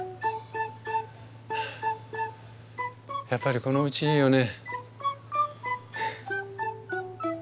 やっぱりこのうちいいよね。